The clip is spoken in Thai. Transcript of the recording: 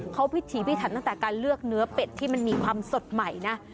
เขาพิถีพิถันตั้งแต่การเลือกเนื้อเป็ดที่มันมีความสดใหม่นะ